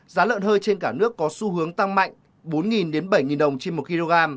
giá lợn hơi trên cả nước có xu hướng tăng mạnh bốn bảy đồng trên một kg